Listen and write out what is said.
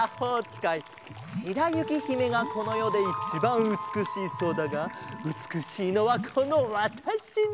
しらゆきひめがこのよでいちばんうつくしいそうだがうつくしいのはこのわたしだ。